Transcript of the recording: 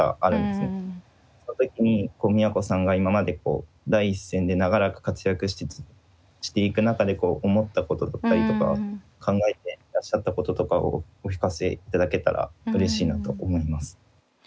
その時に都さんが今まで第一線で長らく活躍していく中で思ったことだったりとか考えていらっしゃったこととかをお聞かせ頂けたらうれしいなと思います。